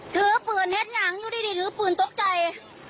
ถือปืนเห็นหนังอยู่ดีถือปืนตกใจ